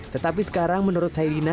tetapi sekarang menurut saidina